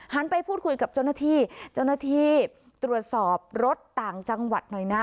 ไปพูดคุยกับเจ้าหน้าที่เจ้าหน้าที่ตรวจสอบรถต่างจังหวัดหน่อยนะ